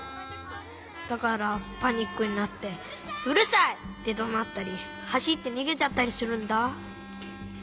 ☎だからパニックになって「うるさい！」ってどなったりはしってにげちゃったりするんだ。